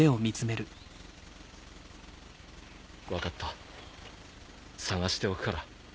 分かった捜しておくから。